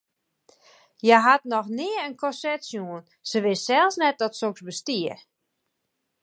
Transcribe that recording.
Hja hat noch nea in korset sjoen, se wist sels net dat soks bestie.